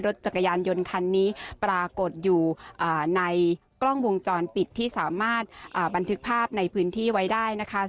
จักรยานยนต์คันนี้ปรากฏอยู่ในกล้องวงจรปิดที่สามารถบันทึกภาพในพื้นที่ไว้ได้นะคะ